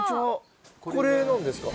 これは何ですか？